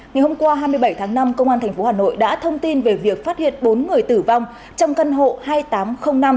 ngày hôm qua hai mươi bảy tháng năm công an tp hà nội đã thông tin về việc phát hiện bốn người tử vong trong căn hộ hai nghìn tám trăm linh năm